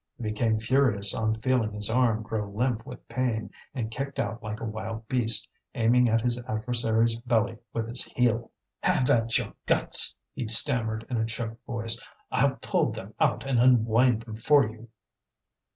He became furious on feeling his arm grow limp with pain, and kicked out like a wild beast, aiming at his adversary's belly with his heel. "Have at your guts!" he stammered in a choked voice. "I'll pull them out and unwind them for you!"